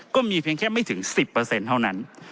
ก็มีเพียงแค่ไม่ถึง๑๐เท่านั้น